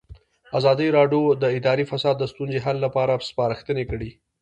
ازادي راډیو د اداري فساد د ستونزو حل لارې سپارښتنې کړي.